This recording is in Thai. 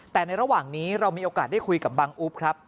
แต่ในระหว่างนี้เรามีโอกาสได้คุยกับบังอุ๊บครับ